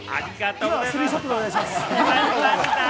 スリーショットでお願いします。